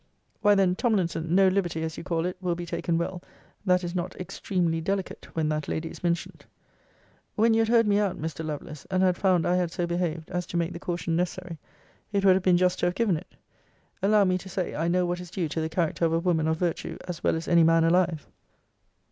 Why then, Tomlinson, no liberty, as you call it, will be taken well, that is not extremely delicate, when that lady is mentioned. When you had heard me out, Mr. Lovelace, and had found I had so behaved, as to make the caution necessary, it would have been just to have given it. Allow me to say, I know what is due to the character of a woman of virtue, as well as any man alive.